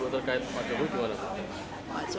buat terkait pak jokowi juga ada sakit